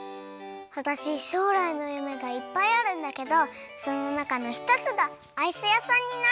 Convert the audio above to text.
わたししょうらいのゆめがいっぱいあるんだけどそのなかのひとつがアイス屋さんになることなの。